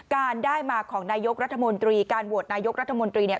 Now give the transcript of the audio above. การได้มาของนายกรัฐมนตรีการโหวตนายกรัฐมนตรีเนี่ย